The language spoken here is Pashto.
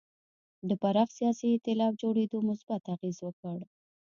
د پراخ سیاسي اېتلاف جوړېدو مثبت اغېز وکړ.